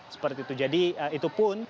seperti itu jadi itu pun